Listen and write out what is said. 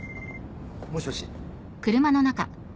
もしもし？